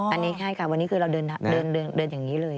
อันนี้ใช่ค่ะวันนี้คือเราเดินอย่างนี้เลย